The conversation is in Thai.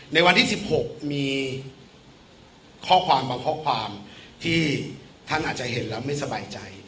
ในวันที่๑๖มีข้อความบางข้อความที่ท่านอาจจะเห็นแล้วไม่สบายใจ